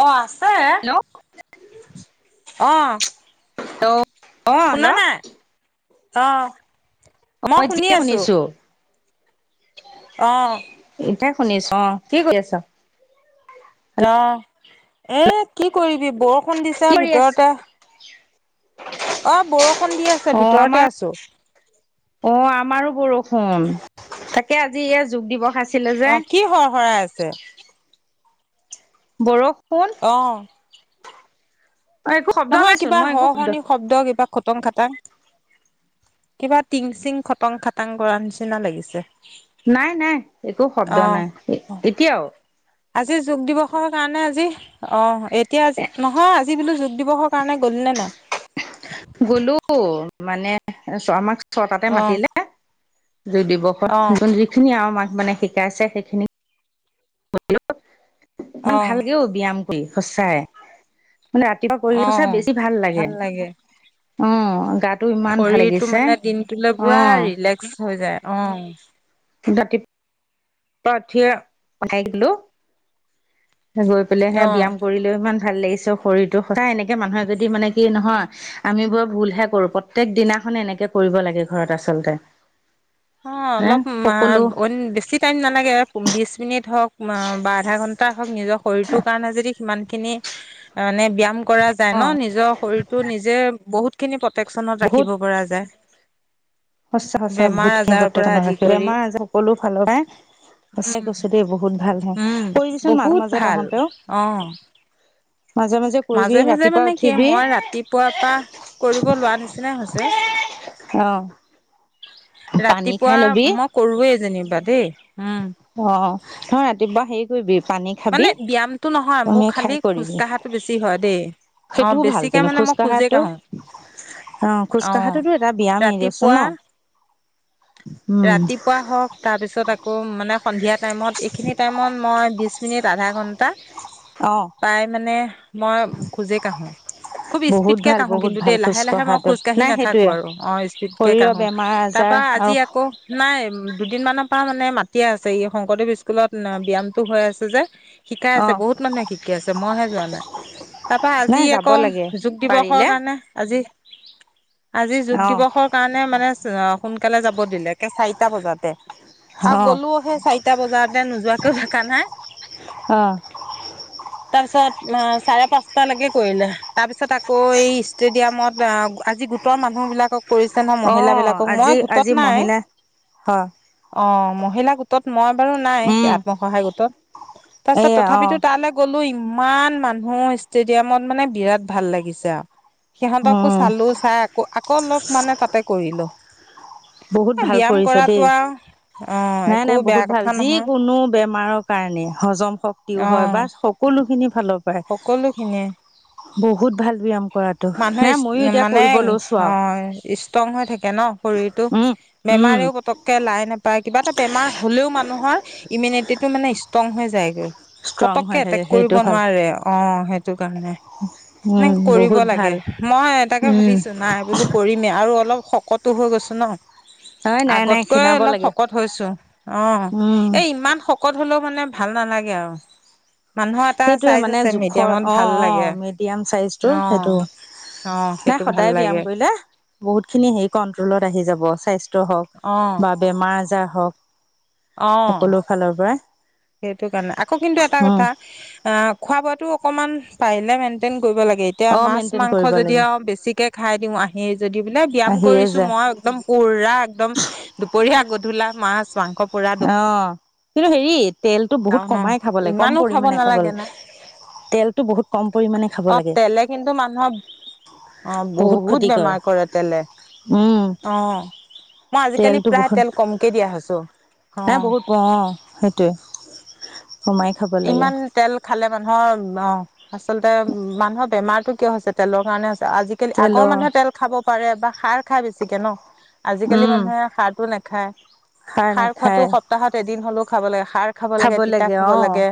অ' আছে হেল্ল' [inaudible] অঁ। হেল্ল'। অঁ হেল্ল' অঁ। অ' এতিয়া শুনিছো অঁ। এতাই শুনিছ অ', কি কৰি আছা? অহ, এ কি কৰিবি বৰ ষুণ দিছে কি কৰি আছ ভিতৰতে অ' বৰষুণ দি আছে, অ ভিতৰতে আমাৰ আছোঁ। অ', আমাৰো বৰষুণ। তাকে আজি এ যোগ দিৱস আছ অ, কি হৰ হৰাই আছে? বৰষ ষুণ অ নহয়, কিবা মই একো হৰ-হৰনি শব্দ, কিবা খটং খাটাং, কিবা টিং চিং খটং খাটাং কৰাৰ নিচিনা লাগিছে। নাই-নাই, একো শব্দ অ নাই, এতিয়াও? আজি যোগ দিৱসৰ কাৰণে আজি, অ, এত তিয়া আজি এ নহয়, আজি বোলো যোগ দিৱসৰ কাৰণে গ'লি নে নাই? গলো, মানে চৰ্মাক [unintelligible] অ মাতিলে যোগ দিৱসত, অ যোন যিখিনি আৰু মা মানে শিকাইছে, সেইখিনি [unintelligible] ইমান ভালকে অ', ব্যায়াম সঁচাই। মানে ৰাতিপুৱা কৰি অ সঁচাই বেছি ভাল লাগে। অ'। গাটো ইমান ভাল শৰীৰটো লাগিছে মানে দিনটোলৈ অ পুৰা ৰিলেক্স হৈ যায় অ'। দাটি পঠিয়া পাই গ'লো। গৈ পেলাই সেয়া অ'। ব্যায়াম কৰিলে ইমান ভাল লাগিছে শৰীৰটো সঁচাই এনেকে মানুহে যদি মানে কি নহয় আমি বৰ ভুলহে কৰোঁ প্ৰত্যেকে দিনাখনে এনেকে কৰিব লাগে ঘৰত আচলতে। অ', হে অলপ মা সকলো বেছি টাইম নালাগে বিছ মিনিট হওঁক। মা বা আধা ঘন্টা ক নিজৰ শৰীৰটোৰ কাৰণে যদি সিমানখিনি মানে ব্যায়াম কৰা যায় অ ন নিজৰ শৰীৰটো নিজে বহুত খিনি প্ৰ কচনত বহুত ৰাখিব পৰা যায়। সঁচা সঁচা বেমাৰ ভহুত খ আজাৰৰ ত পৰা নখ আদি কৰি বেমাৰ আজ সকলো ফালৰ সচাই উম, কৈছো দেই বহুত ভাল হয় উম, কৰিবিচোন মাজে বহুত মাজত ভাল অহতেও! অ'। মাজে মাজে মানে কি মই ৰাতিপুৱাৰ পৰা কৰিব লোৱা নিচিননা হৈছে। অ পানী খাই ৰাতিপুৱা লবি মই কৰৱে যেনিবা দেই। উম। অ নহ ৰাতিপুৱা সেই কৰিবি পানী খাবি মানে ব্যায়ামটো নহয় মোৰ তমি খালি খাই খোজ কৰিবি কঢ়াটো বেছি হয় দেই অ সেইটোও ভাল বেছিকে কিন্তু মানে মই খোজ খোজেই কঢ়াতটো কাঢ়ো অ অ খোজকাঢ়াটোতো এটা ব্যয়াম এৰিছোন ৰাতিপুৱা ন! উম ৰাতিপুৱা হওক তাৰপিছত আকৌ আকৌ মানে সন্ধিয়া টাইমত, এইখিনি টাইমত মই বিশ মিনিট আধা ঘণ্টা। অ পাই মানে মই খোজে কাঢ়ো, খুব বহুত স্পীডকে ভাল কঢ়ো বহুত কিন্তু ভাল দেই লাহে লাহে মই খোজকঢ়াটো খোজ কাঢ়ি নাই নাথাকো সেইটোয়ে আৰু, অ, স্পীডকে শৰীৰৰ কঢ়ো, বেমাৰ তাৰ আজাৰ পা আজি আৰু আক নাই দুদিনমানানৰ পৰা মানে মাতিয়ে আছে ই শংকৰদেৱ স্কুলত বিয়ামটো হৈ আছে যে। শিকাই অ আছে বহুত মানুহে শিকাই আছে মইহে যোৱা নাই, তাৰ পা নাই আজি যাব আকৌ লাগে যোগ পাৰিলে দিৱসৰ কাৰণে আজি। আজি যোগ অ দিৱসৰ কাৰণে মানে অ', সোনকালে যাব দিলে একে চাৰিটা বজাতে। অ আৰু গলো সেই চাৰিটা বজাতে নোযোৱাতৈ থকা নাই। অ তাৰ পিছত চাৰে পাঁচটালৈকে কৰিলে, তাৰ পিছত আকৌ এই ষ্টেডিয়ামত আজি গোটৰ মানুহ বিলাকক কৰিছে ন অ মহিলা বিলাকক আজি মই গোটত আজি নাই, মহিলা হয় অ'। মহিলা গোটত মই বাৰু নাই উম আত্মসহায় গোটত। তাৰপিছত এইয়া অ তথাপিতো তালৈ গ'লো ইমান মানুহ ষ্টেডিয়ামত মানে বিৰাট ভাল লাগিছে আৱ সিহঁতকো উম চালো চাই আকৌ আকৌ অলপ মানে তাতে কৰিলো। বহুত এ ভাল ব্যায়াম কৰিছ কৰাটো দেই, আৰু অ নাই একো নাই বেয়া বহুত ভাল কথা নহয় যিকোনো বেমাৰৰ কাৰণে হজম শক্তিও অ হয় বা সকলোখিনি ফালৰ সকলোখিনিয়ে বহুত ভাল ব্যায়াম কৰাটো নাই ময়ো মানুহ এতিয়া মানে কৰিব লৈছো আৰু অ', ষ্ট্ৰং হৈ থাকে ন শৰীৰটো। উম উম বেমাৰেও পতকে লাই নোপায়, কিবা এটা বেমাৰ হলেও মানুহৰ ইমিউনিটিটো মানে ষ্ট্ৰং হৈ যায়গৈ। ষ্ট্ৰং হৈ পতককে থাকে এটেক কৰিব সেইটো ভাল নোৱাৰে অ', সেইটো কাৰণে মানে উম কৰিব বহুত লাগে। ভাল মই এ তাকে উম ভাবিছো নাই বোলো কৰিমেই আৰু অলপ শকতো হৈ গৈছো ন। হয় নাই নাই আগতকৈ খীণাব অলপ লাগে শকত হৈছো অ', উম এ ইমান শকত হলেও মানে ভাল নালাগে আৰু। মানুহৰ এটা সেইটোয়ে চাইজ মানে আছে জোখৰ মিডিয়ামত ভাল অ', লাগে অ', মিডিয়াম চাইজটো অ সেইটো অ সেইটো নাই ভাল সদায় লাগে ব্যায়াম কৰিলে বহুত খিনি হেৰি কন্ট্ৰ'লত আহিল। যাব স্বাই অ স্বাস্থ্য বা বেমাৰ আজাৰ হওক। অ সকলো ফালৰ পৰা। সেইটো কাৰণে আকৌ কিন্তু এটা কথা। অ' খোৱা-বোৱাটো অকণমান, পাৰিলে মেইনটেইন কৰিব লাগে, এতিয়া অ মেইনটেইন মাছ-মাংস কৰিব যদি লাগে আও বেছিকে খাই দিওঁ, আহি যদি বোলে ব্যায়াম আহিয়ে কৰিছোঁ, যায় মই এক্দম পুৰা একদম দুপৰীয়া। গধূলা মাছ অ', কিন্তু সেই অ', ইমানো খাব পৰিমাণে নালাগে ন! লাগে তেলটো বহুত কম পৰিমাণে খাব অ', লাগে তেলে কিন্তু মানুহৰ, অ', বহুত বেমাৰ কৰে তেলে, উম অ', মই আজিকালি প্ৰায় তেল কমকে দিয়া হৈছোঁ। মই বহুত কওঁ। সেইটোৱে। কমাই খাব লাগে। ইমান তেল খালে মানুহৰ অ', আচলতে মানুহৰ বেমাৰতটো কিয় হৈছে! তেলৰ কাৰণে হৈ আজিকালি, তেল আগৰ মানুহে তেল খাব কি কৰে বা সাৰ খাই বেছিকে ন! আজিকালি উম মানুহে খাৰ নেখায়েই! খাই। খাৰ খোৱাটো সপ্তাহত এদিন হ'লেও খাবলৈ [unintelligible] খাৰ খাব লাগে, তিতা খাব লাগে।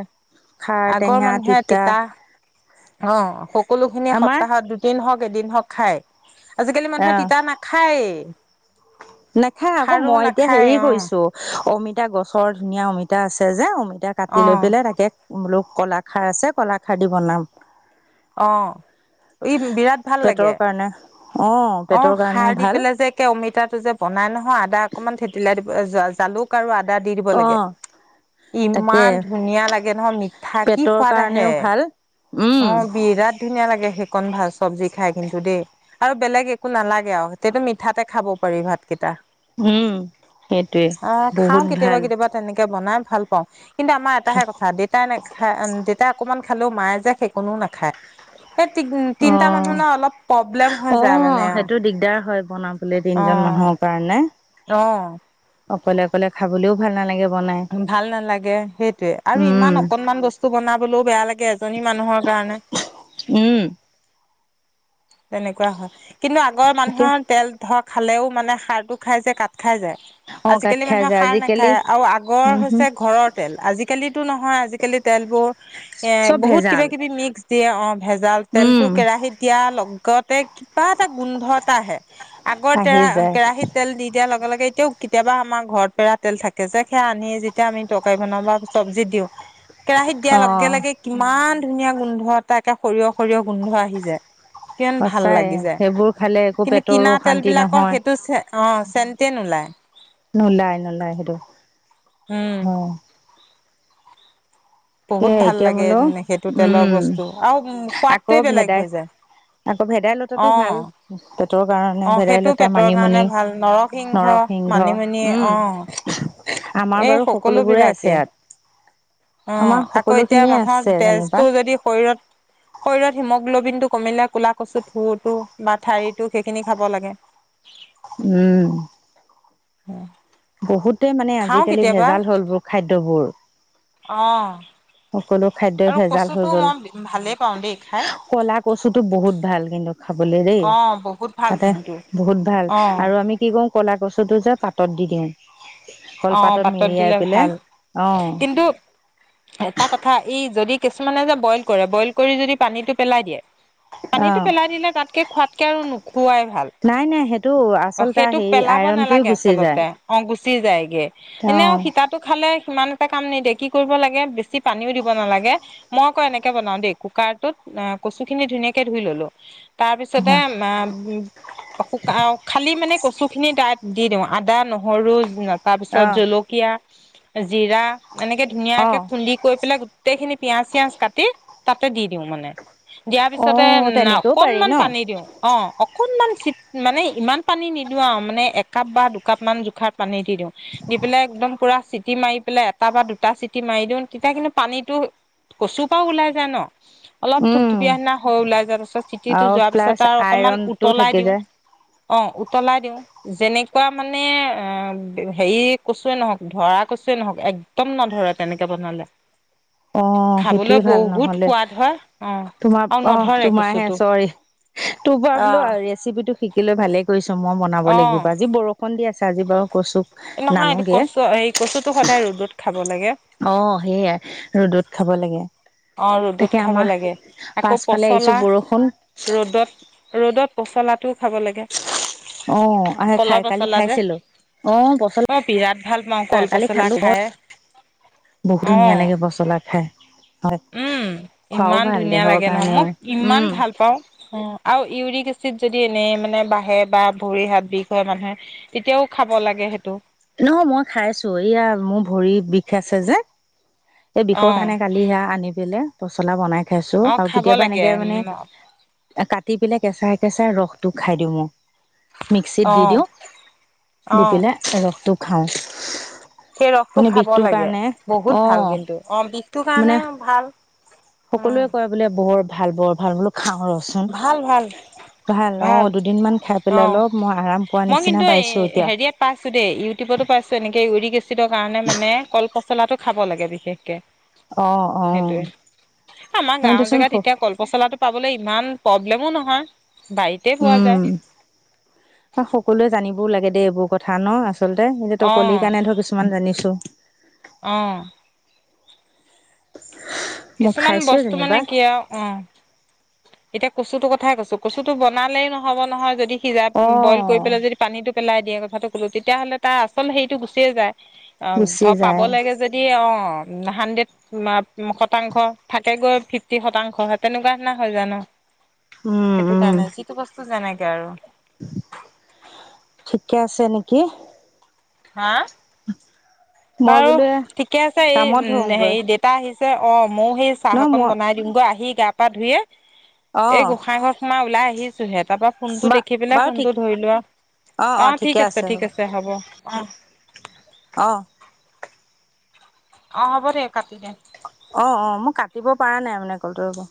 খাৰ আগৰ টেঙা মানুহে তিতা অঁ সকলো সকলোখিনি আমাৰ সপ্তাহত দুদিন হওক এদিন হক খাই। আজিকালি মানুহে তিতা নাখায়েই। নাখায়েই আকৌ সাৰো মই এতিয়া নাখায় হেৰি অ কৰিছোঁ অমিত এতিয়া গছৰ ধুনীয়া অমিতা আছে যে, অমি এতিয়া অ কাটি লৈ পেলাই তাকে বোলো ক'লাখাৰ আছে, ক'লাখাৰ দি বনাম। অ ই বিৰাট ভাল পেটৰ লাগে, কাৰণে অ অ পেটৰ খাৰ কাৰণেও দি ভাল পেলাই যে একে অমিতাটো যে বনাই নহয় আদা অকনমান থেতিলাই জালুক আৰু আদ দা দি দিব অ লাগে। তাকে ইমান ধুনীয়া লাগে নহয় মিঠা কি পেটৰ সোৱাদ কাৰণেও আহে। ভাল অ। উম বাট ধুনীয়া লাগে সেইকণ ভা চব্জি খাই কিন্তু দেই আৰু বেলেগ একো নালাগে আৰু সেইটো মিঠাতে খাব পাৰি ভাত। কিটা উম সেইটোৱে আহ খাও বহুত কেতিয়াবা ভাল কেতিয়াবা তেনেকে বনাম। ভাল পাওঁ। কিন্তু আমাৰ এটাহে কথা দেতাই নেখা দেতাই অকণমান খালো মায়ে যে সেইকনো নাখ খায়। এই তি অ তিনিটা মানুহ ন অলপ প্ৰব্লেম হৈ যায় মানে অ। বনাম। বোলে তিনিজন মানুহৰ কাৰণে অ অ অকলে অকলে খাবলৈও ভাল নালাগে। বনাই ভাল নালাগে সেইটোৱে আৰু উম ইমান অকনমান বস্তু বনাবলৈও বেয়া লাগ জনী মানুহৰ কাৰণে উম তেনেকুৱা হয়। কিন্তু আগৰ এতিয়া মানুহৰ তেল ধৰক খালেও মানে সাৰটো খাই যে কাট খাই যায়, অ কাত আজিকালি খাই মানুহে যে সাৰ আজিকালি নাখায় আৰু আগৰ উম হম হৈছে ঘৰৰ তেল আজিকালিটো নহয় আজিকালি তেলবোৰ এ চব বহুত কিবা ভেজাল। কিবি মিক্স তিয়ে অ' ভেজাল। উম তেলটো কেৰাহীত তাৰ লগতে কিবা এটা গোন্ধ এটা আহে। আগৰ আহি তেৰা, যায় কেৰাহীত তেল দি দিয়াৰ লগে-লগে সেই তেওঁ, কেতিয়াবা আমাৰ ঘৰত পেৰা তেল থাকে যে, সেইয়া আনি, যেতিয়া আমি তৰকাৰী বনাওঁ বা চব্জীত দিওঁ কেৰাহীত দিয়াৰ অ'। লগে-লগে কিমান ধুনীয়া গোন্ধ এটা, একে সৰিয়হ, সৰিয়হ গোন্ধ আহি যায়। কিমান ভাল সঁচাই লাগি যায়। সেইবোৰ খালে একো কিন্তু পেটৰো কিনা অশান্তি তেলবিলাকৰ নহয়। সেইটো অ', ছেণ্টে নোলায়। [inaudible] নোলায়, নোলায় সেইটো উম। অ' বহুত সেয়ে ভাল এতিয়া লাগে বোলো সেইটো তেলৰ উম বস্তু, আৰু আকৌ সোৱাদটোৱে বেলেগ ভেদাই হৈ যায়। আকৌ ভেদাইলতাটো অ ভাল পেটৰ কাৰণে। অ সেইটো ভেদাইলতা, পেটৰ কাৰণে মানিমুনি, ভাল নৰসিংহ নৰসিংহ, মানিমুনি অ উম আমাৰ এই বাৰু সকলো সকলোবোৰে আছে বিলাকে ইয়াত। আমাৰ অ', আকৌ সকলো এতিয়া খিনিয়ে মানুহৰ আছে যেনিবা তেজটো যদি শৰীৰত, শৰীৰত সিম' গ্ল'বিনটো কমিলে ক'লা কচু থুৰটো বা ঠাৰিটো, সেইখিনি খাব লাগে। উম। হু বহুত তে মানে আজিকালি ভেজাল হল বোৰ খাদ্যবোৰ। অ' সকলো খাদ্যই আৰু ভেজাল হৈ কচুটো গ'ল। মই ভালেই পাওঁ দেই খাই ক'লা কচুটো বহুত ভাল কিন্তু খাবলৈ দেই। অ বহুত ভাল তাতে কিন্তু বহুত ভাল অ আৰু আমি কি কৰোঁ, ক'লা কচ চুটো যে পাতত দি দিওঁ অ', কলপাতত পাতত মেৰিয়াই দিলে পেলাই ভাল। অ কিন্তু এটা কথা, ই যদি কিছুমানে যে বইল কৰে, বইল কৰি যদি পানীটো পেলাই দিয়ে অ পানীটো পেলাই দিলে, তাতকে খোৱাতকে আৰু নুখ নাই নাই, সেইটো আচল তাৰ সেইটো হেৰি, আইৰনটোৱে গুচি যায়। চি যায় গে। অ এনেও সিতাটো খালে ইমান এটা কাম নিদিয়ে, কি কৰিব লাগে, বেছি পানীও দিব নালাগে। মই আকৌ এনেকে বনাও দেই, কুকাৰটোত কচু খিনি ধুনীয়াকে ধুই ললো তাৰপিছতে, মা শুকা, খালি মানে কচুখিনি তাত দি দিওঁ। আদা, নহৰু অ তাৰপিছত জলকীয়া জিৰা। এনেকে অ ধুনীয়াকে খুন্দি কৰি পেলাই গোটেইখিনি পিয়াজ চিয়াজ কাটি তাতে দি দিওঁ মানে। দিয়াৰ অ পিছতে ম তেনেকেও পাৰি অকনমান ন পানী দিওঁ অ', অকণমান চি মানে ইমান পানী নিদিওঁ আৰু মানে একাপ বা দুকাপ মান জোখাত পানী দি দিওঁ। দি পেলাই একদম পুৰা চিটি মাৰি পেলাই এটা বা দুটা চিটি মাৰি দিওঁ তেতিয়া কিন্তু পানীটো কচুৰ পৰাও ওলাই যায় ন'। অলপ উম থুপথুপীয়া সিনা হৈ ওলাই যোৱাৰ পিছত চিটিটো আৰু যোৱাৰ প্লাছ পিছত আৰু অকমান আইৰনটো উতলাই থাকি দিওঁ যায় অ', উতলাই দিওঁ। যেনেকুৱা মানে অ' হেৰি কচুৱে নহওঁক, ধৰা কচুৱে নহওঁক একদম নধৰে তেনেকে বনালে। অ', খাবলৈ সেইটোৱে ভাল বহুত নহ'লে সোৱাদ হয় অ তোমাৰ আৰু অ', নধৰে তোমাৰ হে কচুটো চ'ৰি তোৰ পৰা অ বোলো ৰেচিপি টো শিকিলৈ ভালে কৰিছোঁ মই বনাব লাগিব আজি বৰষুণ দি আছে। আজি বাৰু কচু নহয় এইটো নানোগে কচু হেৰি কচু টো সদায় ৰ'দত খাব লাগে অ', সেইয়া ৰ'দত খাব লাগে। অ', তাকে ৰ'দত খাব আমাৰ লাগে আকৌ পাছফালে আহিছো পচলা বৰষুণ ৰ'দত, ৰ'দত পচলাত অ', খাই, কলৰ কালি পচলা যে খাইছিলো। অ, পচলা, মই বিৰাট ভাল পাওঁ কল [unintelligible] কালি পচলা খালো, খাই বহুত অ ধুনীয়া লাগে পচলা খাই। হয় উম, খোৱাও ইমান ভাল ধুনীয়া দেহৰ লাগে নহয়, কাৰণেও মই কিমান উম ভাল পাওঁ। আও, ইউৰিক এচিড যদি এনেই মানে বাঢ়ে বা ভৰি হাত বিষ হয়, মানুহে তেতিয়াও খাব লাগে সেইটো। নহয় মই খাইছো, এইয়া মোৰ ভৰি বিষ আছে যে এই অ বিষৰ কাৰণে কালি সেইয়া আনি দিলে, পচলা বনাই খাইছোঁ, অ আৰু খাব কেতিয়াবা লাগে এনেকে মানে কাটি পেলাই কেঁচাই কেঁচাই ৰসটো খাই দিওঁ মই। মিক্সিত অ দি দিওঁ, দি অ পেলাই ৰস টো খাওঁ। সেই ৰসটো খাব বিষটোৰ লাগে, কাৰণে অ বহুত ভাল কিন্তু। অ, বিষটোৰ মানে কাৰণে ভাল সকলোৱে উম কয় বোলে বৰ ভাল, বৰ ভাল বোলো খাওঁ ৰচোন। ভাল ভাল ভাল, অ', দুদিনমান খাই অ পেলাই অলপ মই আৰাম পোৱা মই কিন্তু নিচিনা এ পাইছো এতিয়া। কে, ইউৰিক এচি চিতৰ কাৰণে মানে কল পচ পচলা টো খাব লাগে বিশেষকে। অ অ সেইটোয়ে, এ আমাৰ হয় গাওঁৰ দেচোন জেগাত এতিয়া কলপচলাটো পাবলে ইমান প্ৰবলেমো নহয়। বাৰীতে পোৱা যায় উম, স -সকলোৱে জানিব বৰ লাগে দেই এইবোৰ কথা নহ আচ। আচলতে, এতিয়া তই কলি কাৰণে ধৰ কিছুমান জানিছো। অহ। মই কিছুমান খাইছোৱে বস্তু মানে যেনিবা কি আৰু উম। এতিয়া কচুটোৰ কথাই কৈছো, কচুটো বনালেই নহ'ব নহয় যদি সিজা- অ বইল কৰি পেলাই, যদি পানীটো পেলাই দিয়ে কথাটো ক'লো, তেতিয়াহ'লে তাৰ আচল হেৰিটো গুচিয়ে যায়। অ গুচি 'ধৰ পাব যায় লাগে যদি অ। অহ না হানদ্ৰেট মা মুখত। শতাংশ থাকে গৈ, ফিফটি শতাংশ স তেনেকুৱা সেনা হয় জানো উম সেইটো উম কাৰণে, যিটো বস্তু জেনেই এতিয়া আৰু ঠিকে আছে নেকি? হা? [unintelligible] বাৰু বোলো ঠিকে আছে এই কামত উম ধৰোগৈ হেৰি ডেটা আহিছে তিয়া অফ। মইও সেই, চাহ ন অকন মই বনাই দিম গৈ আহি গা-পা ধুইয়ে অ এই গোঁসাই ঘৰত শুমাও ওলাই আহিছোহে। তাৰপা ফোনটো বা দেখি পেলাই বাৰু ঠিক ফোনটো ধৰি লোৱা, অ অ অহ ঠিকে ঠিক আছে, ঠিক আছে হ'ব অ'। অ অ, হ'বদে কাটি দে। অ', অ মই কাটিব পাৰা নাই মানে কলটো ৰব।